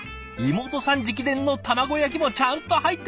妹さん直伝の卵焼きもちゃんと入ってますね。